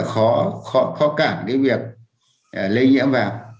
như vậy thì nó rất là khó cản cái việc lây nhiễm vào